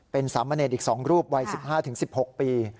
เป็นสามเณรอีก๒รูปวัย๑๕๑๖ปี